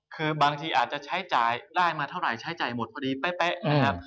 คือบางทีอาจจะใช้จ่ายได้มาเท่าไหร่ใช้จ่ายหมดพอดีเป๊ะนะครับ